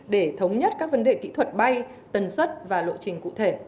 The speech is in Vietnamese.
để thống nhất các vấn đề kỹ thuật bay tần suất và lộ trình cụ thể